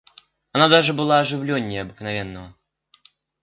Она даже была оживленнее обыкновенного.